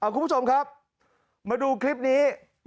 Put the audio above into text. คุณผู้ชมครับมาดูคลิปนี้